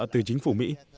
từ chính phủ mỹ